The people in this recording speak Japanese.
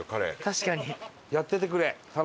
確かに。